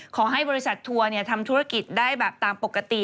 ขอให้บริษัททัวร์ทำธุรกิจได้แบบตามปกติ